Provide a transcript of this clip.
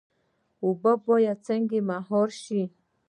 اوبه باید څنګه مهار شي؟